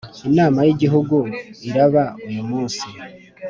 Inama y ‘Igihugu iraba uyumunsi.